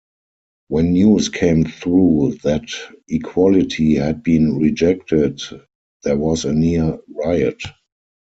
When news came through that equality had been rejected there was a near riot.